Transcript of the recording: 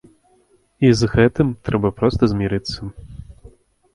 І з гэтым трэба проста змірыцца.